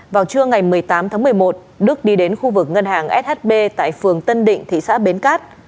vào trưa ngày một mươi tám tháng một mươi một đức đi đến khu vực ngân hàng shb tại phường tân định thị xã bến cát